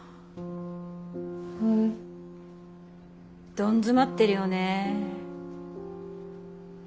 どん詰まってるよね。